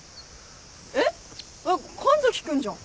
えっ神崎君じゃん。